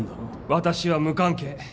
私は無関係。